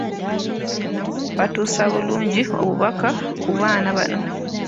Batuusa bulungi obubaka ku baana bano.